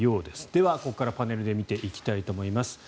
では、ここからパネルで見ていきたいと思います。